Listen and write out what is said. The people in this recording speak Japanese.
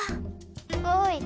おい。